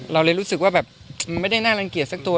เราเลยรู้สึกว่าแบบมันไม่ได้น่ารังเกียจสักตัว